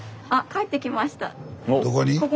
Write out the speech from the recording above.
帰ってきました。